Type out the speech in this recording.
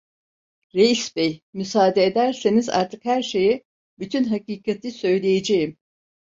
Reis bey, müsaade ederseniz artık her şeyi, bütün hakikati söyleyeceğim!